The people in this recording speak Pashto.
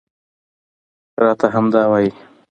راته همدا وايي